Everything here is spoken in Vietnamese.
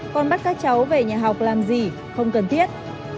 còn bắt các cháu về nhà học làm gì không cần thiết